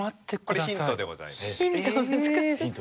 これヒントでございます。